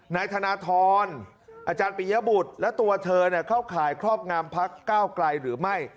นายธนทรอาจารย์ปิยบุตรและตัวเธอเข้าข่ายครอบงามพักก้าวไกลหรือไม่